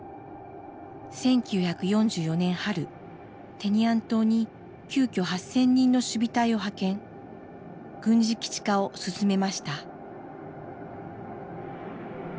１９４４年春テニアン島に急きょ８，０００人の守備隊を派遣軍事基地化を進めました。